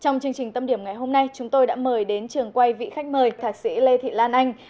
trong chương trình tâm điểm ngày hôm nay chúng tôi đã mời đến trường quay vị khách mời thạc sĩ lê thị lan anh